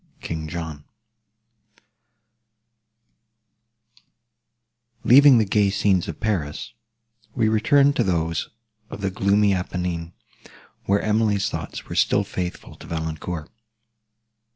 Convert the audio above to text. KING JOHN Leaving the gay scenes of Paris, we return to those of the gloomy Apennine, where Emily's thoughts were still faithful to Valancourt.